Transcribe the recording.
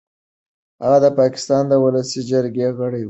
هغه د پاکستان د ولسي جرګې غړی شو.